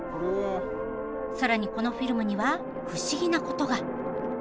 更にこのフィルムには不思議なことが。